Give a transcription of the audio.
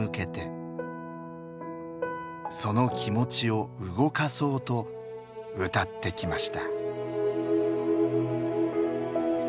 その気持ちを動かそうと歌ってきました。